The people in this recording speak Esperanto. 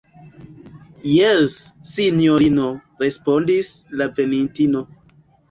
Jes, sinjorino, respondis la venintino.